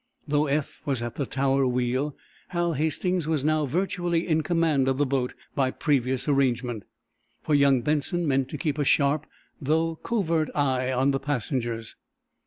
Though Eph was at the tower wheel Hal Hastings was now virtually in command of the boat, by previous arrangement, for young Benson meant to keep a sharp, though covert, eye on passengers.